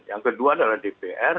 yang kedua adalah dpr